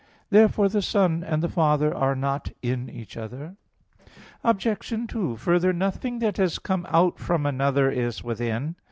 Therefore the Son and the Father are not in each other. Obj. 2: Further, nothing that has come out from another is within.